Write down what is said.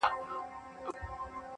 د غمي له زوره مست ګرځي نشه دی,